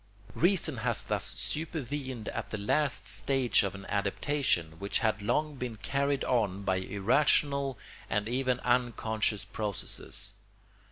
Reason has thus supervened at the last stage of an adaptation which had long been carried on by irrational and even unconscious processes.